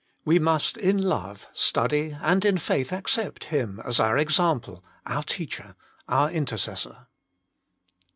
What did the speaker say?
We must in love study, and in faith accept, Him as our Example, our Teacher, our Intercessor.